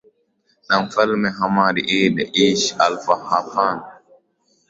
na mfalme hamad idd ish al halfan